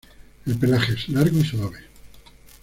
El pelaje es largo y suave.